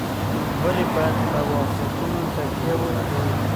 ولي بايد په واقعيتونو تکيه وکړو؟